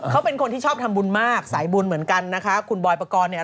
เขาเป็นคนที่ชอบทำบุญมากสายบุญเหมือนกันนะคะคุณบอยปกรณ์เนี่ย